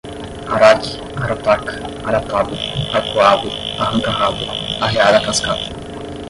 araque, arataca, aratado, arpuado, arranca rabo, arrear a cascata